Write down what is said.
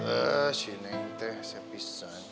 eh si neng teh sepisah